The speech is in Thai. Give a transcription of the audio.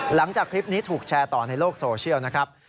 หลังจากคลิปนี้ถูกแชร์ต่อในโลกโซเชียลนะครับ